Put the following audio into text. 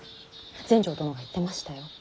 全成殿が言ってましたよ。